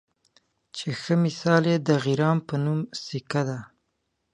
چې ښۀ مثال یې د غران پۀ نوم سیکه ده